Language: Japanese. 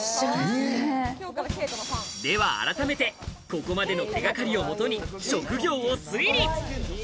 では改めて、ここまでの手掛かりをもとに職業を推理！